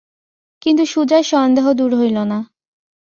কিন্তু সুজার সন্দেহ দূর হইল না।